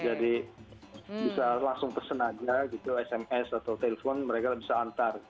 jadi bisa langsung pesan aja gitu sms atau telepon mereka bisa antar